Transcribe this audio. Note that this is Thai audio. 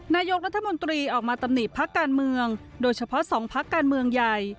นายกรัฐมนตรีออกมาตำหนิพักการเมืองโดยเฉพาะสองพักการเมืองใหญ่